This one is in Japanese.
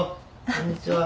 こんにちは。